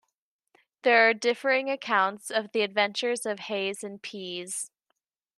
There are differing accounts of the adventures of Hayes and Pease.